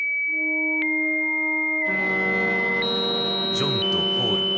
ジョンとポール。